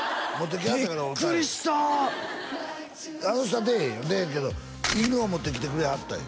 ビックリしたあの人は出えへんよ出えへんけど犬を持ってきてくれはったんよ